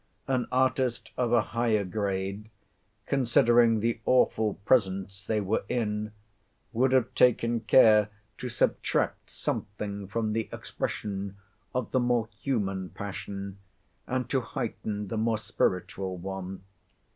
An artist of a higher grade, considering the awful presence they were in, would have taken care to subtract something from the expression of the more human passion, and to heighten the more spiritual one.